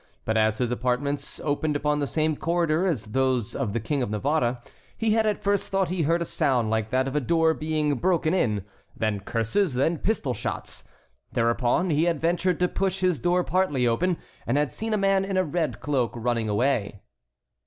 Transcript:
But as his apartments opened upon the same corridor as did those of the King of Navarre, he had at first thought he heard a sound like that of a door being broken in, then curses, then pistol shots. Thereupon he had ventured to push his door partly open, and had seen a man in a red cloak running away.